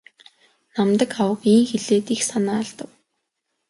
Намдаг авга ийн хэлээд их санаа алдав.